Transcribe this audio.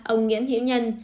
ông nguyễn hiễu nhân